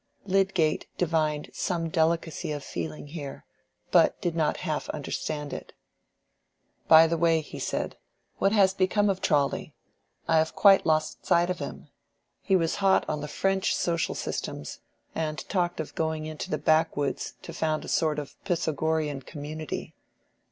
Lydgate divined some delicacy of feeling here, but did not half understand it. "By the way," he said, "what has become of Trawley? I have quite lost sight of him. He was hot on the French social systems, and talked of going to the Backwoods to found a sort of Pythagorean community.